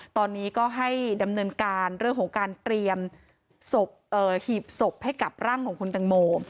ตอนนี้ก็ให้ดำเนินการเรื่องของการเตรียมศพหีบศพให้กับร่างของคุณตังโม